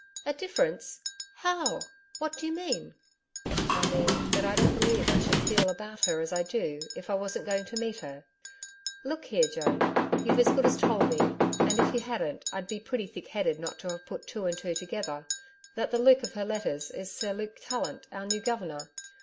'A difference! How? What do you mean?' 'I mean that I don't believe I should feel about her as I do if I wasn't going to meet her. Look here, Joan, you've as good as told me and if you hadn't, I'd be pretty thick headed not to have put two and two together that the Luke of her letters is Sir Luke Tallant, our new Governor.